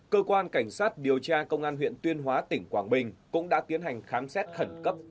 cơ quan cảnh sát điều tra công an huyện tuyên hóa tỉnh quảng bình cũng đã tiến hành khám xét khẩn cấp